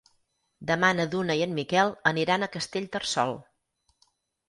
Demà na Duna i en Miquel aniran a Castellterçol.